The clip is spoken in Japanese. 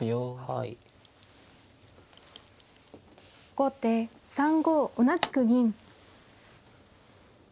後手３五同じく銀。